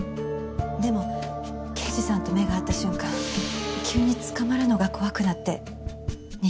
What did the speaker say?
でも刑事さんと目が合った瞬間急に捕まるのが怖くなって逃げてしまいました。